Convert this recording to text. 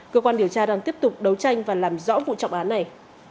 cơ quan điều tra đang tiếp tục đấu tranh và làm rõ vụ trọng án này